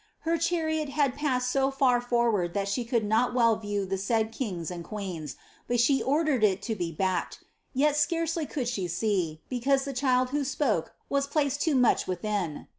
Her chariot had passed so far forward that she could ■ot well Tiew the said kings and queens, but she ordered it to be hwked, ^yet scarcely could she see, because the child who spoke was phced too much within."